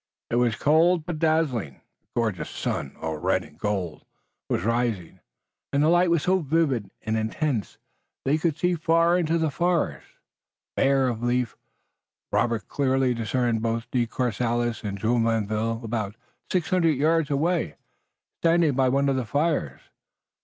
It was cold but dazzling. A gorgeous sun, all red and gold, was rising, and the light was so vivid and intense that they could see far in the forest, bare of leaf. Robert clearly discerned both De Courcelles and Jumonville about six hundred yards away, standing by one of the fires.